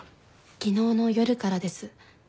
昨日の夜からです。